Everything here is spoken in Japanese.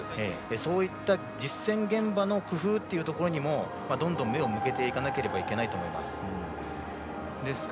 そういった実践現場の工夫というところにもどんどん目を向けていかなければいけないと思います。